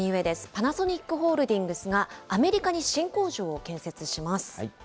パナソニックホールディングスがアメリカに新工場を建設します。